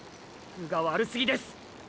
分が悪すぎです！！